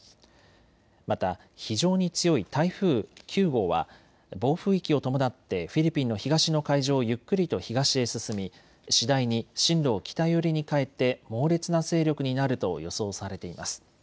また非常に強い台風９号は暴風域を伴ってフィリピンの東の海上をゆっくりと東へ進み次第に進路を北寄りに変えて猛烈な勢力になると予想されています。